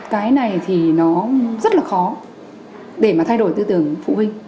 cái này thì nó rất là khó để mà thay đổi tư tưởng phụ huynh